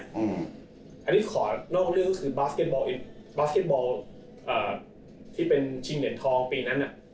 อันนี้ขอนอกเรื่องก็คือบาสเบอลบาสเก็ตบอลที่เป็นชิงเหรียญทองปีนั้น